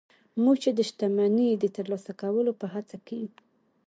موږ چې د شتمني د ترلاسه کولو په هڅه کې يو.